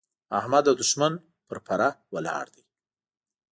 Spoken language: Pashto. احمد د دوښمن پر پره ولاړ دی.